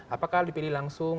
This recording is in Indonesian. apakah dipilih langsung